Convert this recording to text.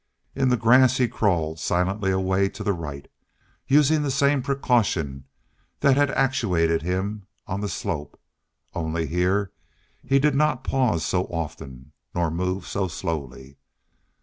In the grass he crawled silently away to the right, using the same precaution that had actuated him on the slope, only here he did not pause so often, nor move so slowly.